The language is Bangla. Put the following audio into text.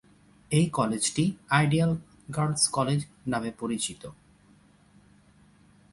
এই কলেজটি "আইডিয়াল গার্লস কলেজ" নামে পরিচিত।